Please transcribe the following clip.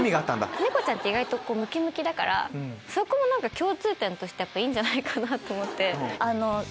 猫ちゃんって意外とムキムキだから共通点としていいんじゃないかなと思って。